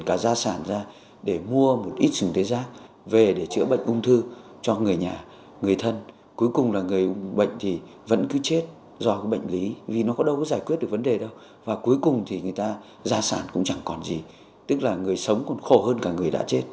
cả gia sản ra để mua một ít dùng thế rác về để chữa bệnh ung thư cho người nhà người thân cuối cùng là người bệnh thì vẫn cứ chết do cái bệnh lý vì nó có đâu có giải quyết được vấn đề đâu và cuối cùng thì người ta gia sản cũng chẳng còn gì tức là người sống còn khổ hơn cả người đã chết